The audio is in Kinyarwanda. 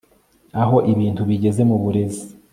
aho ibintu bigeze mu burezi